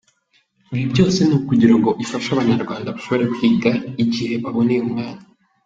Ibi byose ni ukugira ngo ifashe abanyarwandwa bashobore kwiga igihe baboneye umwanya.